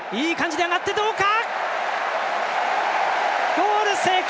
ゴール成功！